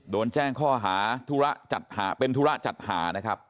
โดนแจ้งข้อหาธุระจัดหาเป็นธุระจัดหานะครับ